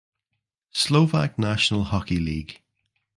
Slovak National Hockey League